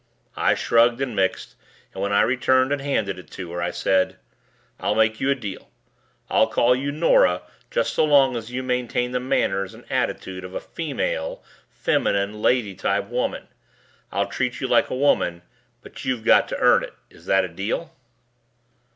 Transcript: I shrugged and mixed and when I returned and handed it to her I said, "I'll make you a deal. I'll call you 'Nora' just so long as you maintain the manners and attitude of a female, feminine, lady type woman. I'll treat you like a woman, but you've got to earn it. Is that a deal?"